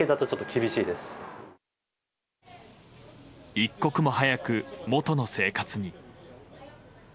一刻も早く、元の生活に。